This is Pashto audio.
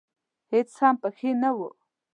هېڅ هم پکښې نه و .